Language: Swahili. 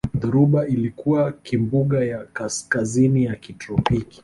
Dhoruba ilikuwa kimbunga ya kaskazini ya kitropiki